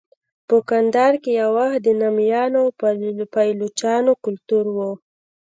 په کندهار کې یو وخت د نامیانو او پایلوچانو کلتور و.